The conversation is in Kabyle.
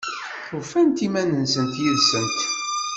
Ufant iman-nsent yid-sent?